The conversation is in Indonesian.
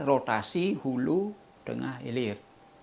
rotasi hulu tengah hilir